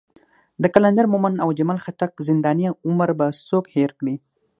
د قلندر مومند او اجمل خټک زنداني عمر به څوک هېر کړي.